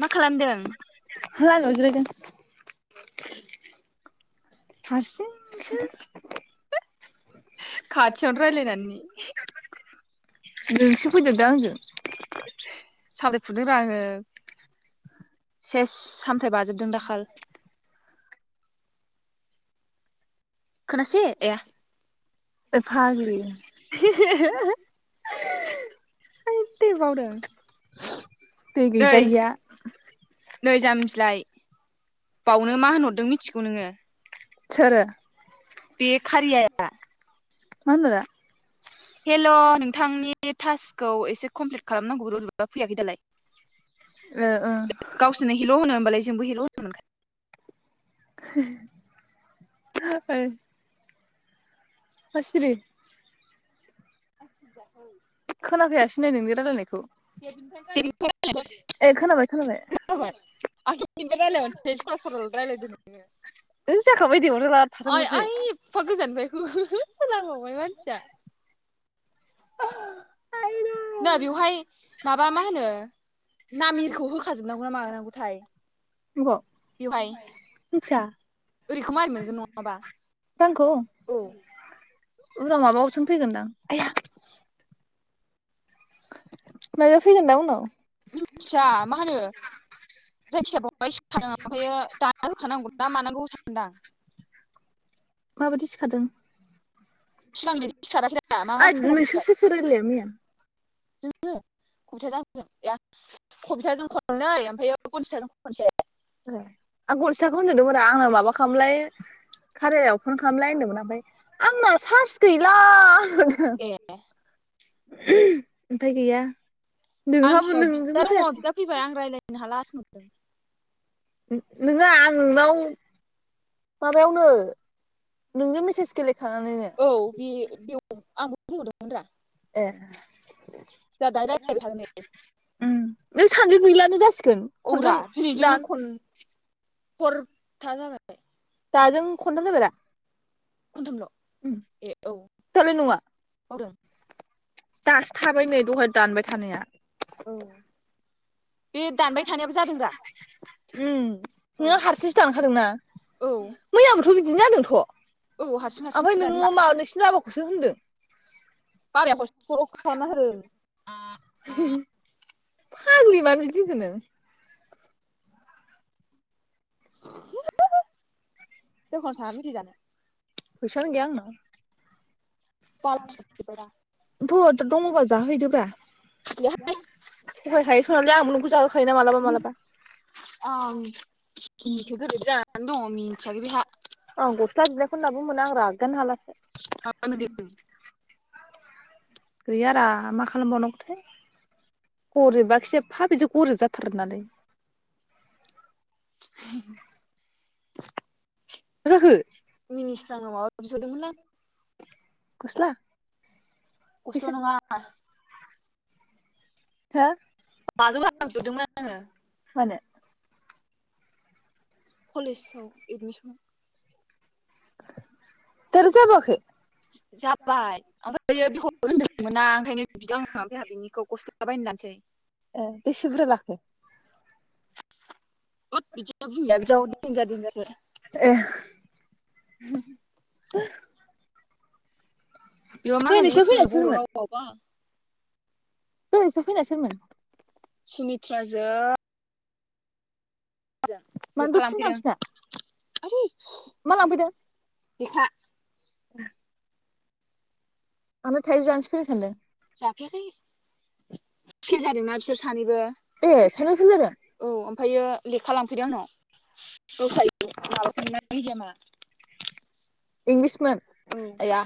मा खालामदों? हो हामायाव जिरायदों हारसिं [inaudible] खाथियावनो रायलायनानै नोंसो फैदोंदा आंजों फुदो रा आङो सेस साम थाय बाजोबदों दाखाल खोनासे एआ ऐ फाग्लि [inaudible] दै नै गैजायिया नै जाम्बिलाइ बावनो मा होनहरदों मिथिगौ नोङो। सोरो बे खारियाया मा होनहरा हेलौ नोंथांनि थास खौ एसे कमप्लिट खालामनांगौ रबा फैयाखै दालाय ओ ओ गावसोरनो हिलौ होनो होनबालाय जोंबो हिलौ, मोनगोन [inaudible] फास्रि खोनाखायासैनो नोंनि रायलायनायखौ [unintelligible] ए खोनाबाय खोनाबाय खोबाय आंनि रायजलायहरसै सल सल रायजलायदो ओइ जाखाबाय दे अरजाला आइ थाथोंल'सै आइ एफा गोजाननिफ्राय हो हो हो खोनाबावबाय मानसिया ना बेवहाय [unintelligible] माबा मा होनो ना मिरखौ होखाजोबनांगौ ना मानांगौथाय अबाव बेवहाय मिथिया ओरैखौ मारै मोनगोन नङाबा रांखौ औ उनाव माबा अबवसन फैगोनदां आइ हा माना फैगोनना दा उनाव मिनथिया मा होनो जायखिया बहाय सिदों ओमफायो दाना होखानांगौ ना मानांगौ होनदां माबायदि सिखादों सिगांनि सिखाराखैा मा मा ओइ नोंसोर खैलाबाय सोर सोर रायलाया मैया जोङो कम्पिउटार ज कम्पिउटार जों नै ओमफायो खनसा जों मोनसे आं गनजिथाखौ होन्दोंदोमोन रा आंनो माबा खालामलाय खारायाव फन खालामलाय होन्दोंमोन ओमफ्राय आंना चार्ज गैला ए ओमफाय गैया आं नोंहाबो खो बिदा नोंजोंबो दङ जायासै बिदा फैबाय आं रायज्लायनो हाला [unintelligible] ओ नोङा आं नोंनाव माबायावनो नोंजों मेसेज गेले औ बे बेव आं बुंहदोंमोन रा ए जा दाय रा बाय थागोनदै नों सानदोन गैलानो जासि दोन खनथाम दान खर था जाबाय। दाजों खनथाम जाबाय दा। खनथामल' ए औ दालाय नङा बावदों। दासो थाबाय नै दहाय दानबाय थानाया। [inaudible] औ बे दानबाय थानायाबो जादों दा? उम औ नोङो हारसिंसो दानखादोंना औ मैयाबोथ' बिदिनो जादों ख' औ हारसिं हारसिं आफाय दानोब्रा नोङो मा नोसिनि बाबाखौसो होनदो। बाबाया खस कल खालामना होदों। फाग्लि मानो बिदि होनखो नों? [unintelligible] दखानाव थाङा मेथाय जानो? फैसानो गैया आंनाव। [unintelligible] थ' दङबा जाहैदोब्रा। थगाय खायो [unintelligible] दा आंबो जाहो आं [unintelligible] दं मिथियाखै बिहा आं गस्ला बिनायखौनो दाबो मोना आं रागायानो हालास आ [unintelligible] गैया रां मा खालामबावनांगौथाय गरिबाखि एफा बिदि गरिब जाथारो नालै। [inaudible] मा जाखो? मिनिस्रांनाव माबा बिहरदोंमोनलां गस्ला फैसा गस्ला नङा हा बाजौ रां बिहरदोंमोन आङो। मानो कलेजाव एदमिसन थोर जाबावाखै जाबाय ओमफाय बेखौ होनदों मोना ओंखायनो बिदों आङो ओमफ्राय आंहा बिनिखौ गस्ला बा बायनो लानोसै ए बेसे बुरजा लाखो? [unintelligible] [unintelligible] बिदियाव देनजारसो देनजारसो ए [unintelligible] [unintelligible] बेबा मा दहायनिसो होनो फैनाया बर' रावावबा दहाय नोंसिनाव फैना सोरमोन? सुमित्राजों जों मानो लेखा दसेनो लांफैदों। थांफिना आयदै मा लांफैदों? लेखा। ओह। आंलाय थाइजौ जानोसो फैदों सानदों। जाफैयाखै फेल जादोंना बिसोर सानैबो ए साइनाव फेल जादों औ। ओमफायो लेखा लांफैदों आंनाव रसायो माबासोना मिडियामआ इंलिसमोन। आया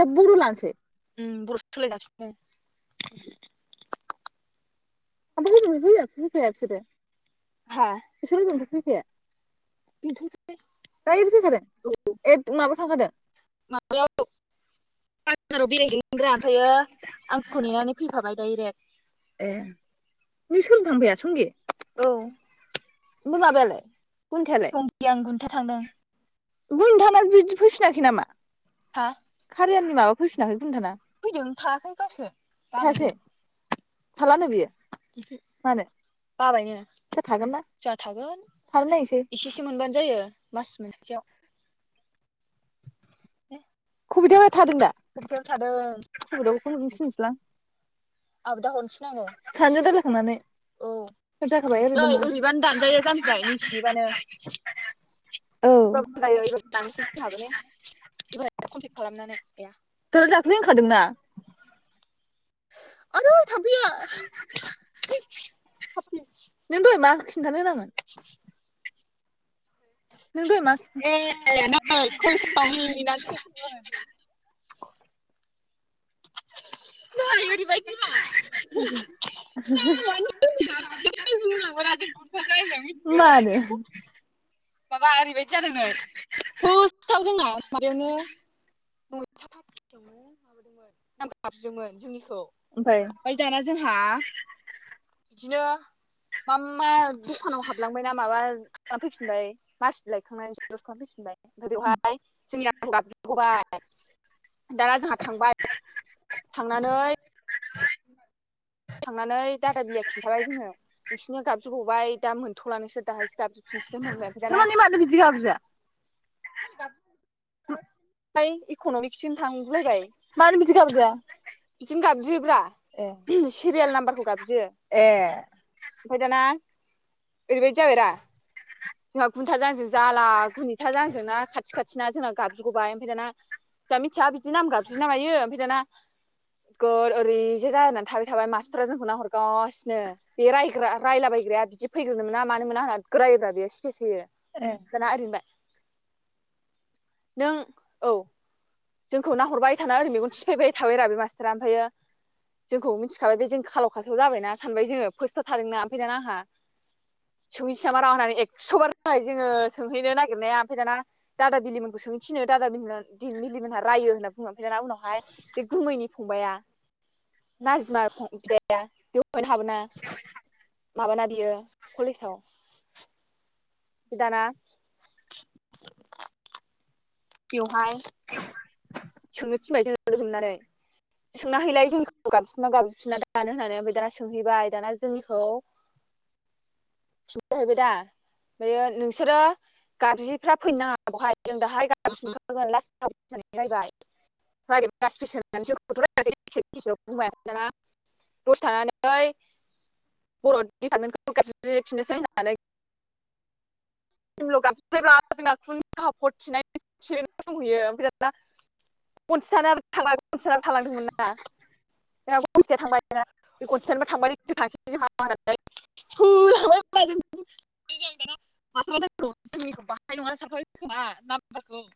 दा बर' लानोसै। उम बर'सो सोलायलायसैनो। [unintelligible] बिसोरो। बिसोर हा होजोंनिफ्राय [unintelligible] [unintelligible] बेनोथ' दा बेबो फैफादों, ए माबा थांफादों? माबायाव [unintelligible] बाजाराव बेरायहैदोंमोनब्रा ओमफ्रायायो आंखौ नेनानै फैफाबाय ए नों सोरजों डायरेक्ट, औ। आमफ्राय माबायालाय। गुनिथायालाय सिंगिं, आं, गुनथा थांदों। गुनथाना बिदि फैफिनाखै नामा? हा [unintelligible] माबा फैफिनाखै गुनिथाना फैदों थायाखै गावसो थायासै बाबायनो। थालानो बियो, मानो? बाबायनो दा थागोन ना जाहा थागोन थानो नायनोसै एसेसो मोनबानो जायो मास मोनसेयाव। [unintelligible] खुबिथा थादों दा सप्तायाव थादों हुदों फुंबुंसि थैनोसैलां आबो दा हनस सानैजों रायलाय संनानै औ नै ओरैबानो दानजायो जामबिलाय मिखिनिबानो औ सोरबाबो जायो एबार दानसै जोंहाबो ने एबारहाय कमफ्लिद खालामनानै एह दालाय दाख्लै होनखादोंना आदै थामफैया नों दहाय मा ओंख्रि [unintelligible] खिन्थानो? ए नै कलेज आव मिनिना थैनोसैमोन। नै ओरैबादिरा [unintelligible] मानो माबा ओरैबायदि जादों नै खस्थाव जोंना माबायावनो नयथा थाथियावनो माबादोंमोन नाम‌ गाबज्रिदोंमोन जोंनि खौ ओमफ्राय दाना जोंहा बिदिनो मा मा दखानाव हाबलांबायना माबा खालामफैफिनबाय माससि लायखांना जिरस खालामफैफिनबाय। [unintelligible] आं गाबजगबाय दाना जोंहा थांबाय थांनानै [unintelligible] थांनानै दादा बिलिया खिन्थाबाय जोंनो नोंसिनिनो गाबज्रिगबाय दा मोन थ'लना‌ नोंसोर‌ दाहायसो गाबज्रिफिनसिगोन होनबाय ओमफ्राय दाना थारमाने मानो बिदि गाबज्रिया [inaudible] ओइ इक'न'मिक सिम थांगुलायबाय मानो बिदि गाबज्रिया बिदिनो गाबज्रियोब्रा ए सिरियेल नाम्बार [unintelligible] ए ओमफफ्राय दाना ओरैबादि जाबायरा जोंहा खुन्थाजों आंजों जाला गुनिथाजों आंजोंना खाथि खाथिना जोंना गाबजुगबाय ओमफाय दाना [unintelligible] [unintelligible] बिदि नाम गाबज्रियो ना मायो ओमफाय दाना गर ओरैजे जानानै थाबाय थाबा मासट्रा जोंखौ नाहरगासिनो बे रायग्रा रायलाबायग्राया बिदि फैग्रोनो मोना मानो‌ मोना होनना [unintelligible] केस होयो ए दाना ओरै होनबाय नों औ जोंखौ नाहरबाय थाना ओरोय मेगन थिफायबाय थाबायरा बे मास ट्रा ओमफायो जोंखौ मिथिखाबाय बे जों खालाव खासाव जाबायना सानबाय जोङो फार्स्टआव थादोंना ओमफ्राय दाना आंहा सोंहैसै नामारा होननानै एकस' बार जाबाय जोङो सोंहैनो नागिरनाया ओमफाय दाना दादा बिलिमोनखौ सोंहैनो थिनो दादा बिलि [unintelligible] बे गुमैनि फंबाया नाजिमा फं बिदाया [unintelligible] [unintelligible] हाबोना माबाना बियो कलेजाव। बि दाना बेयाव हाय सोंनो थिनबाय [inaudible] सोंना हैलाय जोंनिखौ गाबज्रिना गाबज्रिफिना दा दानो होननानै ओमफ्राय दाना सोंहैबाय दाना जोंनिखौ खिनथाहैबायदा ओमफायो नोंसोरो गाबजिफ्रा फैनो नाङा बहाय जों दाहाय गाबज्रिखागोन लास्टाव होननानै रायबाय। [inaudible] दसे थानानै बर' दिपार्टमेन्टखौ गाबज्रिफिननोसै होननानै [unintelligible] [unintelligible] [unintelligible] [inaudible] थालांदोंमोन ना [unintelligible] [unintelligible] माष्टारा जोंखौ जोंनिखौ बाहाय नङा सानखाबाय खोमा नामफोरखौ।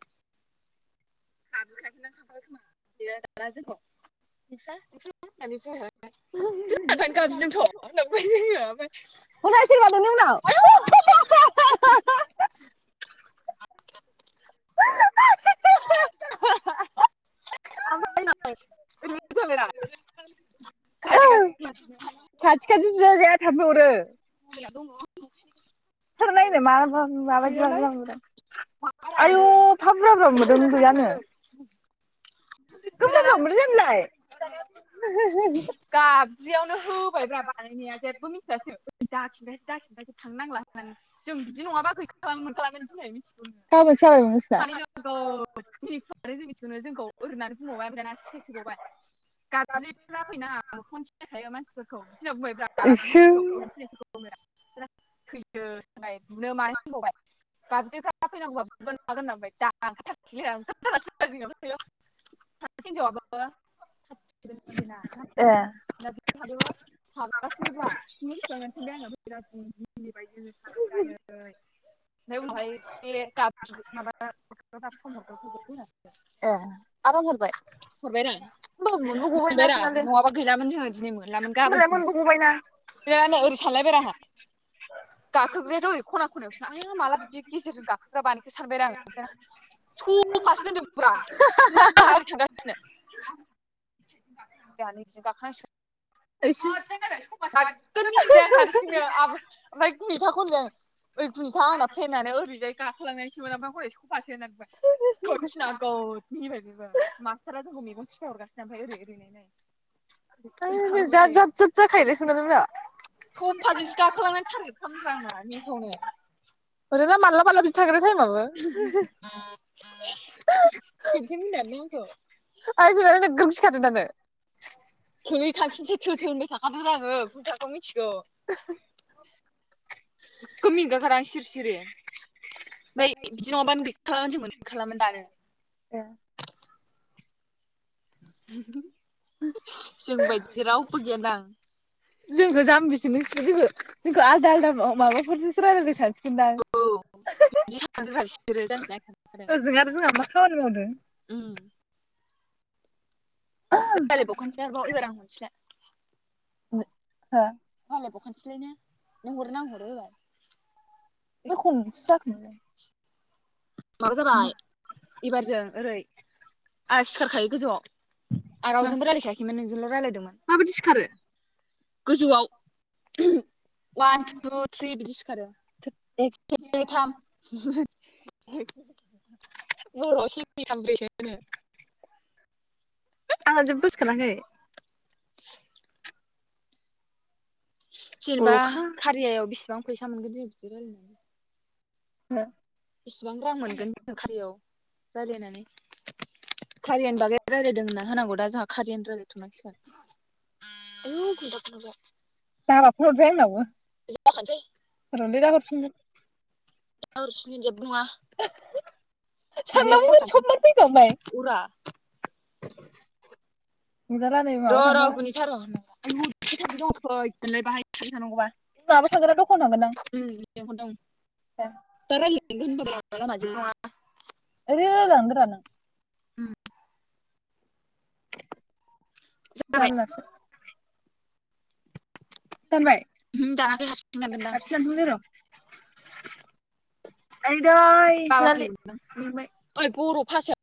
[unintelligible] हनै सोर मादों नोंनाव [unintelligible] [unintelligible] खाथि खाथि जिरायजाया [unintelligible] थाम्फै अरो। [unintelligible] खोरो नायनो मा मा माबायदि [unintelligible] माबारानो आयु फा बुरा फुरा मोनदों गैयानो। ओमफ्राय दाना [unintelligible] [unintelligible] गाबज्रियावनो होबायब्रा बानायनाया जेब्बो मि दाखिन्था दाखिन्थासै थांनांला होननानै होननानै जों बिदि नङाबा गैखा खालामोन मोनखालामोन मिथिगौ नोङो गाबोनसो जाबायमोन नोंसिना [unintelligible] आरो जों मिथिगौ नों जोंखौ ओरै होननानै बुंबावबाय ओमफ्राय सिफिस होबावबाय गाब गाबज्रियिफ्रा फैनो नाङा मोखाङावनो सिनायखायो मानसिफोरखौ। बिदि होनना बुंबायब्रा इसु गाबज्रियिफोरखौ ओरैनो फैनायफोरखौ। थैदो सानबाय बुनो मानोसो होनबावबाय गाबज्रियिफ्रा फैनांगौबा बुगोन मागोन होनना बुंबाय दा ओंखारथारासै सासे हिनजावाबो ए [unintelligible] [unintelligible] निबायदिनो [unintelligible] जोंनावहाय [unintelligible] ए आराम हरबाय हरबाय रा होमबाबो मोनबो गबायना मोनबायरा सोनालै नङाबा गैलामोन जोङो दिनै मोनलामोन होमबालाय गाबोनसो मोनबो मोनसिगौमोन गबायना गैया नो ओरैसो थांलायबाय आंहा गाखोग्रायाथ' ओरै खना खनायावसोनाहाय हो माला बिबदि गेजेरजों गाखोग्रा बानायखो? सानबायरा आङो [unintelligible] आंहा ओरै थांगासिनो [unintelligible] दानो बिजों गाखो नांसिगोन। ओ सो गागोम मिनिबाय आं हारसिंनो आ ओमफ्राय गुनिथाखौ होनबाय आङो ओइ गुनिथा आंना थ्रेनानो ओरैजाय गाखोलांनसोमोन ओमफ्राय हरै खफासो होननानै बुंबाय खोबथिना गोद मिनिबाय बेबो मास्टारा जोंखो मेगन थिफाय हरगासिनो ओमफाय ओरै ओरै नाय ओ जाद जाद जाद जाखायोलै सोनालै मोनहा थ फाजोंसो गाखोलांनायनि टारगेट खामोन ब्रा आंना [unintelligible] साग्रो [unintelligible] आइ सोनाया [unintelligible] [unintelligible] दानो थौलै थांफिनसै थौ थौ होनबाय थाखादों रा आङो खुनिथाखौ मिथिगौ नोगोद मिनिनो ओंखारदों आं सिरि सिरि [unintelligible] ओमफ्राय बिदि नङाबानो गैखालामोन जों मोनखालामोन दानो [unintelligible] जोंबायदि रावबो गैयानदां जोंखौ जामबिसो नंसिगोन जोंखौ जोंखो आलदा आलदा माबाफोरजोंसो रायलायदो सानसिगोनदां [unintelligible] ओजों आरो जोंहा मा खामानि मावदों उम रायलायबावखानिसै र इबार आङो। [inaudible] हो। रायज्लाय बावखानिसै ने नों हरो ना आं हरो। बेखुन सा। [unintelligible] माबा जाबाय एबारजों ओरै। आ सिखारखायो गोजौआव आं रावजोंबो रायलायखायाखैमोन नोंजोंल रायलायदोमोन। माबायदि सिखारो? गोजौआव। वान टु थ्रि बिदि सिखारो नै थाम। बर' आव‌ से नै थाम ब्रै सो‌ होनो। आंहा जेबोसिखाराखै [inaudible] जेनेबा अल'खा। खारियायाव बिसिबां। फैसा मोनगोन जों बिदि रायलायनानै। हो। इसेबां रां मोनगोन जों खारियायाव। रायलायनानै। खारियानि बागै रायलायदों होनना होनांगौ दा जोंहा खारियानि रायलायनाय। थुमस औ खदा खगा [inaudible] बाबा फन हरबाय आंनावबो। [inaudible] [inaudible] [inaudible] बुङा जिनै साननाबो ओरै सबमान फैखांबाय उरा। [unintelligible] र माबा र थांखाबाय गुनिथा र। आयौ थैगोनलै बाहाय। थाबाय थानांगौबा माबा थांगोना दखानाव थांगोन उम लिहरदों आं दा [inaudible] थांगानो [inaudible] उम। जाबाय जारलासो। उमहो दानाखै हारसिं दानगोनदां [inaudible] दै सनालि मेंबाय। फासो